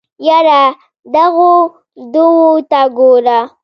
يره دغو دوو ته ګوره.